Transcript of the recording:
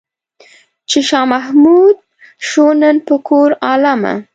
چې شاه محمود شو نن په کور عالمه.